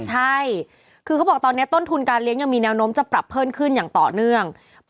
ใช่คือเขาบอกตอนนี้ต้นทุนการเลี้ยงยังมีแนวโน้มจะปรับเพิ่มขึ้นอย่างต่อเนื่อง